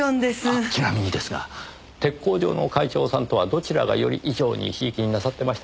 ちなみにですが鉄工所の会長さんとはどちらがより以上に贔屓になさってましたかね？